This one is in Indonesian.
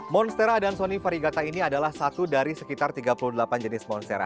monstera adansoni variegata ini adalah satu dari sekitar tiga puluh delapan jenis monstera